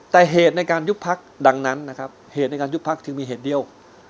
แต่เหตุในการยุบพักดังนั้นนะครับเหตุในการยุบพักจึงมีเหตุเดียว